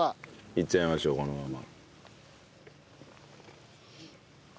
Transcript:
いっちゃいましょうこのまま。